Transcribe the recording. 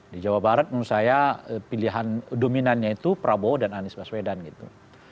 di jawa barat menurut saya pilihan dominannya itu prabowo dan anies baswedan gitu